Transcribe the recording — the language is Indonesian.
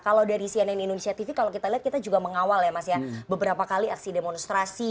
kalau dari cnn indonesia tv kalau kita lihat kita juga mengawal ya mas ya beberapa kali aksi demonstrasi